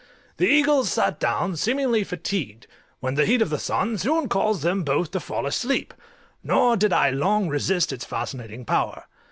The eagles sat down seemingly fatigued, when the heat of the sun soon caused them both to fall asleep, nor did I long resist its fascinating power.